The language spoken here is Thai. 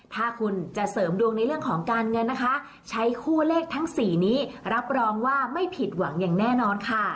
ถ้าคุณจะเสริมดวงในเรื่องของการเงินนะคะใช้คู่เลขทั้งสี่นี้รับรองว่าไม่ผิดหวังอย่างแน่นอนค่ะ